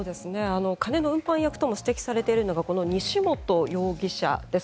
金の運搬役とも指摘されているのがこの西本容疑者です。